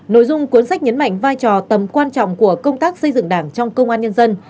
nội dung cuốn sách nhấn mạnh vai trò tầm quan trọng của công tác xây dựng đảng trong công an nhân dân